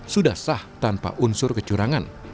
sudah sah tanpa unsur kecurangan